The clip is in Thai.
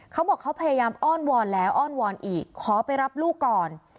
เขาบอกเขาพยายามอ้อนวอนแล้วอ้อนวอนอีกขอไปรับลูกก่อน